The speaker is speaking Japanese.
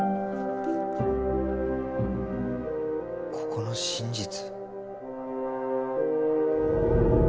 「ここの真実」。